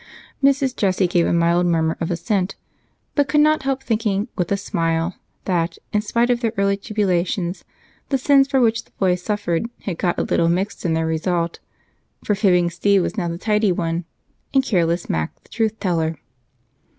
Mrs. Jessie gave a mild murmur of assent, but could not help thinking, with a smile, that in spite of their early tribulations the sins for which the boys suffered had gotten a little mixed in their result, for fibbing Steve was now the tidy one, and careless Mac the truth teller.